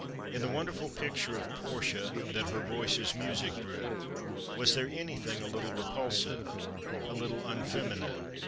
In the wonderful picture of Portia that "her voice's music" drew, was there anything a little repulsive, a little unfeminine?